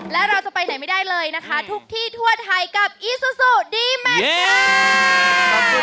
และเราจะไปไหนไม่ได้เลยนะคะทุกที่ทั่วไทยกับอีซูซูดีแมทค่ะ